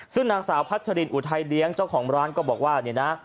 ซึ่งนางสาวพัชรินอุทัยเลี้ยงเจ้าของร้านก็บอกว่าเนี่ยนะ